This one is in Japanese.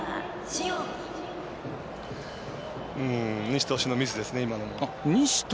西投手のミスですね、今のも。